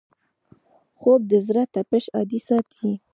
خوب د زړه تپش عادي ساتي